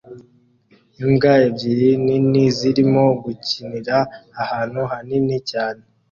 Imbwa ebyiri nini zirimo gukinira ahantu hanini cyane